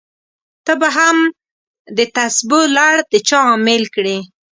ته به هم دتسبو لړ د چا امېل کړې!